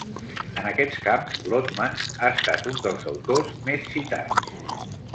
En aquests camps, Lotman ha estat un dels autors més citats.